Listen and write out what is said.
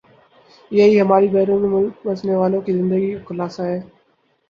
یہی ہماری بیرون ملک بسنے والوں کی زندگی کا خلاصہ ہے